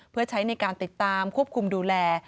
เพื่อใช้ในการติดตามควบคุมดูแล